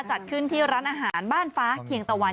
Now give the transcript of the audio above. จัดขึ้นที่ร้านอาหารบ้านฟ้าเคียงตะวัน